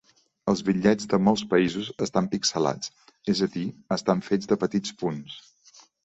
Els bitllets de molts països estan pixelats; és a dir, estan fets de petits punts.